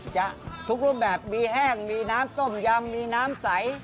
จะทุกรูปแบบมีแห้งมีน้ำต้มยำมีน้ำใส